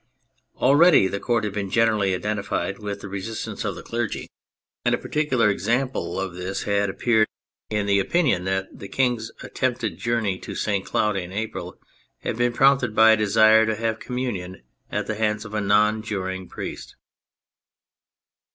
Already the Court had been generally identi fied with the resistance of the clergy, and a THE CATHOLIC CHURCH 247 particular example of this had appeared in the opinion that the King's attempted journey to St. Cloud in April had been prompted by a desire to have communion at the hands of a non juring priest.